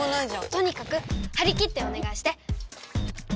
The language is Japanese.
とにかくはり切ってお願いして！